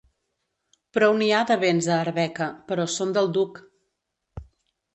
Prou n'hi ha de béns a Arbeca, però són del duc.